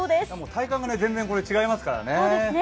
体感も全然違いますからね。